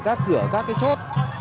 các cửa các cái chốt